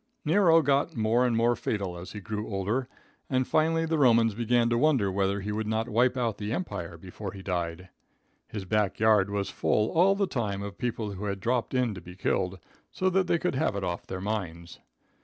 Nero got more and more fatal as he grew older, and finally the Romans began to wonder whether he would not wipe out the Empire before he died. His back yard was full all the time of people who had dropped in to be killed, so that they could have it off their minds.